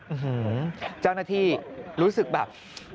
อื้อหือเจ้าหน้าที่รู้สึกแบบ